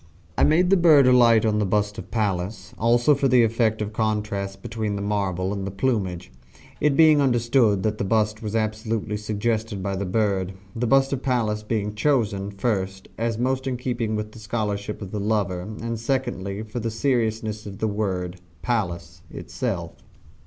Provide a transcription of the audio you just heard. I made the bird alight on the bust of Pallas, also for the effect of contrast between the marble and the plumage it being understood that the bust was absolutely suggested by the bird the bust of Pallas being chosen, first, as most in keeping with the scholarship of the lover, and secondly, for the sonorousness of the word, Pallas, itself.